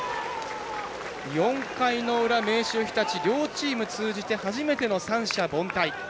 ４回の裏、明秀日立両チーム通じて初めての三者凡退。